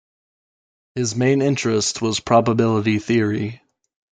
His main interest was probability theory.